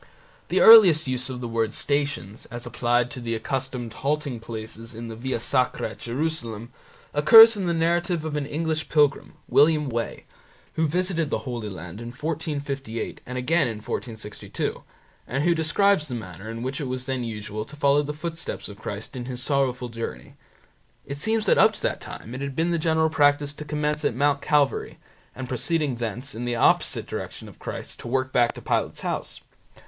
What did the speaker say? The earliest use of the word Stations, as applied to the accustomed halting places in the Via Sacra at Jerusalem, occurs in the narrative of an English pilgrim, William Wey, who visited the Holy Land in 1458 and again in 1462, and who describes the manner in which it was then usual to follow the footsteps of Christ in His sorrowful journey. It seems that up to that time it had been the general practice to commence at Mount Calvary, and proceeding thence, in the opposite direction to Christ, to work back to Pilate's house.